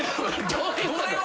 どういうこと？